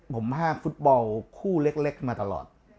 ผมห้ามฟุตบอลคู่เล็กมาตลอด